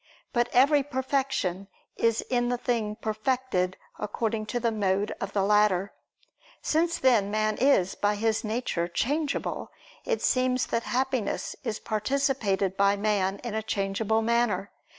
But every perfection is in the thing perfected according to the mode of the latter. Since then man is, by his nature, changeable, it seems that Happiness is participated by man in a changeable manner.